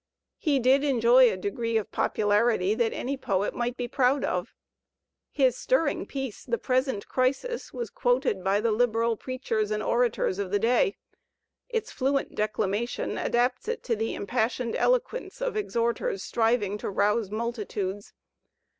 He did enjoy a d^ree of popularity that any poet might be proud of. His stirring piece, "The Present Crisis," was quoted by the liberal preachers and orators of the day; its iBuent declamation adapts it to the impassioned eloquence of exhorters striving to rouse multitudes.